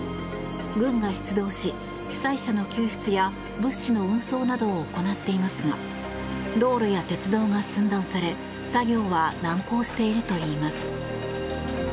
軍が出動し、被害者の救出や物資の運送などを行っていますが道路や鉄道が寸断され作業は難航しているといいます。